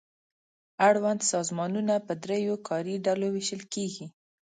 اړوند سازمانونه په دریو کاري ډلو وېشل کیږي.